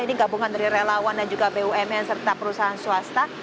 ini gabungan dari relawan dan juga bumn serta perusahaan swasta